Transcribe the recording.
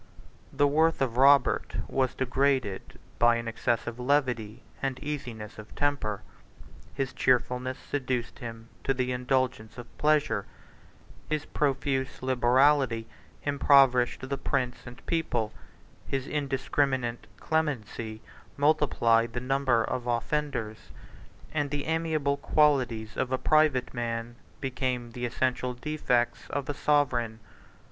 The worth of Robert was degraded by an excessive levity and easiness of temper: his cheerfulness seduced him to the indulgence of pleasure; his profuse liberality impoverished the prince and people; his indiscriminate clemency multiplied the number of offenders; and the amiable qualities of a private man became the essential defects of a sovereign.